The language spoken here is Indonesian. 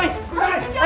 saya menemukan criesnya